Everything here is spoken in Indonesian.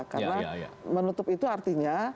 karena menutup itu artinya